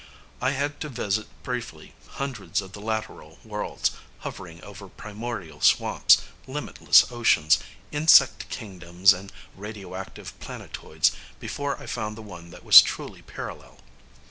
I had to visit briefly hundreds of the lateral worlds, hovering over primordial swamps, limitless oceans, insect kingdoms and radioactive planetoids, before I found the one that was truly parallel.